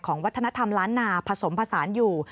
วัฒนธรรมล้านนาผสมผสานอยู่